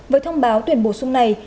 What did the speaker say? với thông báo tuyển bổ sung này